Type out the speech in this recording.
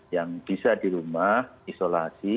yang bisa di rumah isolasi